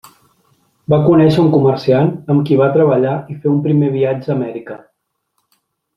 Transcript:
Va conèixer un comerciant, amb qui va treballar i fer un primer viatge a Amèrica.